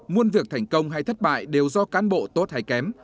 muôn việc thành công hay thất bại đều do cán bộ tốt hay kém